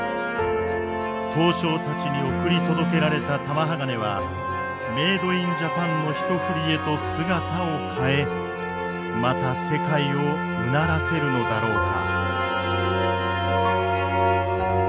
刀匠たちに送り届けられた玉鋼はメードインジャパンの１ふりへと姿を変えまた世界をうならせるのだろうか。